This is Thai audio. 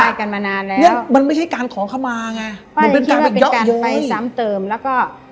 มันได้กันมานานแล้วมันไม่ใช่การขอขมาไงมันเป็นการไปเยอะเย้ย